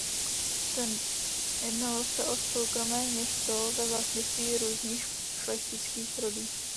Jednalo se o soukromé město ve vlastnictví různých šlechtických rodů.